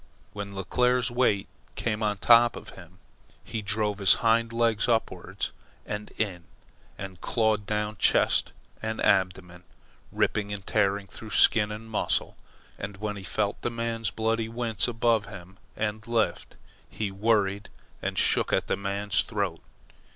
When Leclere's weight came on top of him, he drove his hind legs upwards and in, and clawed down chest and abdomen, ripping and tearing through skin and muscle. And when he felt the man's body wince above him and lift, he worried and shook at the man's throat.